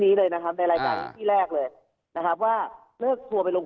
นี้เลยนะครับในรายการที่แรกเลยนะครับว่าเลิกทัวร์ไปลง